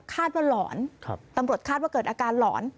คาดว่าหล่อนตำรวจคาดว่าเกิดอาการหล่อน